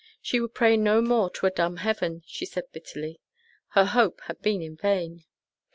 "She would pray no more to a dumb heaven," she said bitterly. Her hope had been vain.